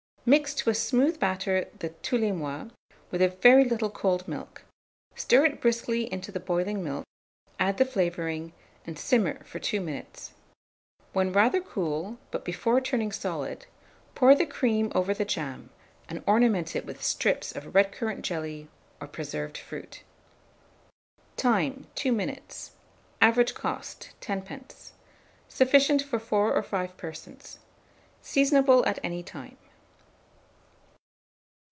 Mix to a smooth batter the tous les mois, with a very little cold milk; stir it briskly into the boiling milk, add the flavouring, and simmer for 2 minutes. When rather cool, but before turning solid, pour the cream over the jam, and ornament it with strips of red currant jelly or preserved fruit. Time. 2 minutes. Average cost, 10d. Sufficient for 4 or 5 persons. Seasonable at any time.